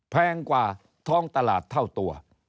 แพงกว่าท้องตลาดเท่าตัว